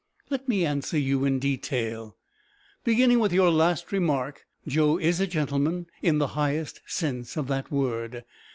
Let me answer you in detail, beginning with your last remark. Joe is a gentleman in the highest sense of that word.